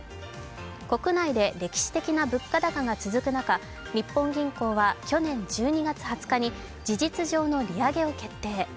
国内で歴史的な物価高が続く中、日本銀行は去年１２月２０日に事実上の利上げを決定。